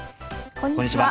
こんにちは。